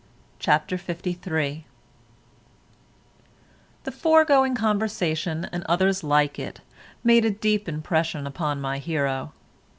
CHAPTER LIII The foregoing conversation and others like it made a deep impression upon my hero.